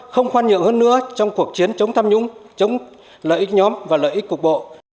không khoan nhượng hơn nữa trong cuộc chiến chống tham nhũng chống lợi ích nhóm và lợi ích cục bộ